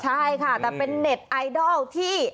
ใช่ค่ะแต่เป็นเน็ตไอดอลที่